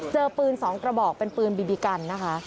เจอปืน๒กระบอกเป็นปืนบีบีกันนะคะ